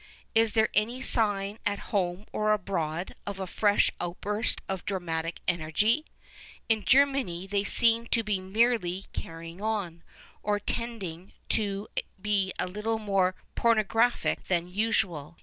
Is there any sign at home or abroad of a fresh outburst of dramatic energy ? In Germany they seem to be merely " carrying on," or tending to be a little more porno graphic than usual.